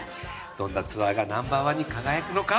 どんなツアーがＮｏ．１に輝くのか？